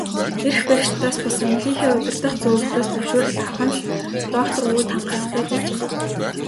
Эрх баригчдаас бус, эмнэлгийнхээ удирдах зөвлөлөөс зөвшөөрөл авах нь л доктор Вүд хангалттай байжээ.